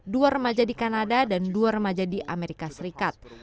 dua remaja di kanada dan dua remaja di amerika serikat